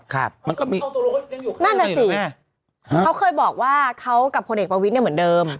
ครับนั่นแหละสิเขาเคยบอกว่าเขากับคนเอกประวิทย์เหมือนเดิม